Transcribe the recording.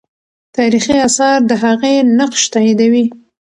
تاریخي آثار د هغې نقش تاییدوي.